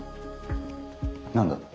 何だ？